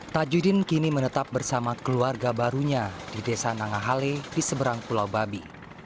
tajudin kini menetap bersama keluarga barunya di desa nangahale di seberang pulau babi